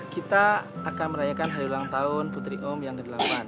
kita akan merayakan hari ulang tahun putri om yang ke delapan